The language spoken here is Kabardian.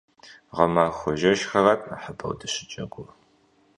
Гъэмахуэ жэщхэрат нэхъыбэу дыщыджэгур.